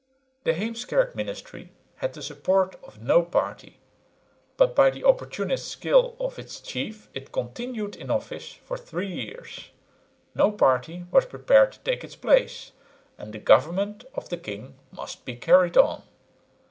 The Heemskerk ministry had the support of no party, but by the opportunist skill of its chief it continued in office for three years; no party was prepared to take its place, and "the government of the king must be carried on."